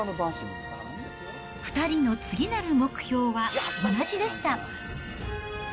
２人の次なる目標は同じでした。